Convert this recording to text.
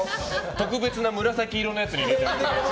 特別な紫色のやつに入れる。